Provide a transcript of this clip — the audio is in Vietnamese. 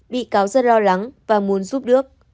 bị cáo rất lo lắng và muốn giúp đức